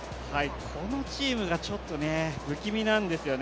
このチームがちょっと不気味なんですよね。